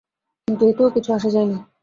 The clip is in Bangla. কিন্তু এতেও কিছু আসে যায় নি।